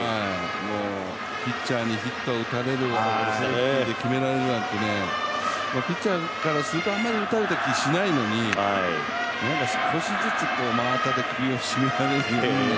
ピッチャーにヒットを打たれて点を決められるなんてピッチャーからするとあまり打たれた気がしないのになんか少しずつ真綿で首を絞められるような。